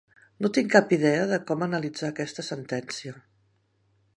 No tinc cap idea de com analitzar aquesta sentència.